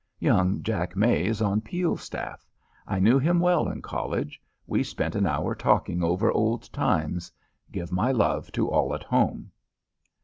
Young Jack May is on Peel's staff. I knew him well in college. We spent an hour talking over old times. Give my love to all at home."